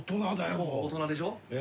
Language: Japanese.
大人でしょ？へ。